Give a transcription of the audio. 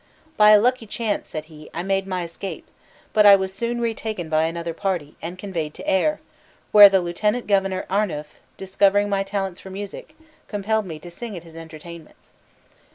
"By a lucky chance," said he, "I made my escape; but I was soon retaken by another party, and conveyed to Ayr, where the Lieutenant governor Arnuf, discovering my talents for music, compelled me to sing at his entertainments."